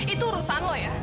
itu urusan lu ya